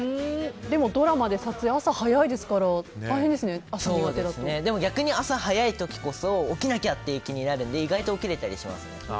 でもドラマの撮影朝早いですから逆に朝早い時こそ起きなきゃって気になるので意外と起きられたりします。